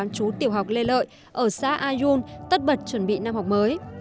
chú tiểu học lê lợi ở xã a un tất bật chuẩn bị năm học mới